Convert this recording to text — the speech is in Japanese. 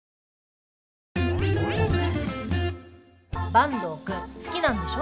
坂東くん好きなんでしょ。